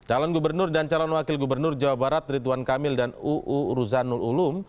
calon gubernur dan calon wakil gubernur jawa barat rituan kamil dan uu ruzanul ulum